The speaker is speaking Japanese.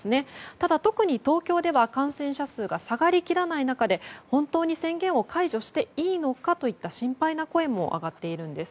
ただ、特に東京では感染者数が下がりきらない中で本当に宣言を解除していいのかという心配の声も上がっているんです。